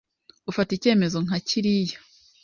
ufata icyemezo nka kiriya,